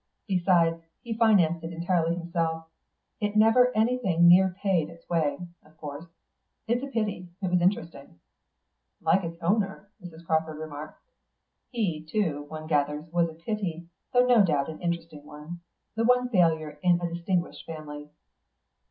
Besides, he financed it entirely himself; it never anything near paid its way, of course. It's a pity; it was interesting." "Like it's owner," Mrs. Crawford remarked. "He too, one gathers, was a pity, though no doubt an interesting one. The one failure in a distinguished family."